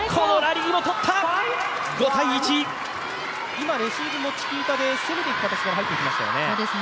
今、レシーブもチキータで攻めていく形から入っていきましたよね。